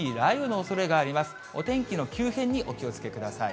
お天気の急変にお気をつけください。